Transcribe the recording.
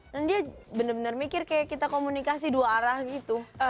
dan dia bener bener mikir kayak kita komunikasi dua arah gitu